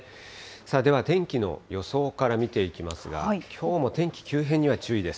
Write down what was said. さあでは、天気の予想から見ていきますが、きょうも天気急変には注意です。